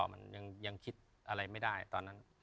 มันยังคิดอะไรไม่ได้ตอนนั้น